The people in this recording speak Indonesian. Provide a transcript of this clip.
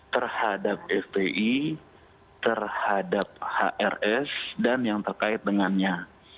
terhadap fpi terhadap hrs dan yang terkait dengannya